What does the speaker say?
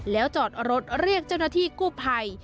แล้วจอดรถเรียกเจ้าหน้าที่กู้ภัย